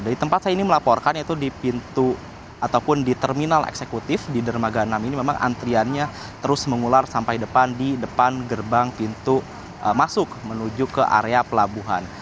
dari tempat saya ini melaporkan yaitu di pintu ataupun di terminal eksekutif di dermaga enam ini memang antriannya terus mengular sampai depan di depan gerbang pintu masuk menuju ke area pelabuhan